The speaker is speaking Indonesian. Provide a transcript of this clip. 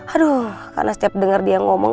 aduh karena setiap dengar dia ngomong